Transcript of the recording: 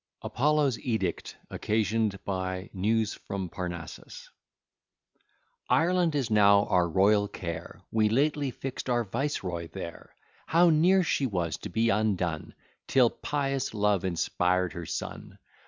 ] APOLLO'S EDICT OCCASIONED BY "NEWS FROM PARNASSUS" Ireland is now our royal care, We lately fix'd our viceroy there. How near was she to be undone, Till pious love inspired her son!